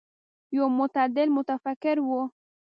يو متعادل متفکر و.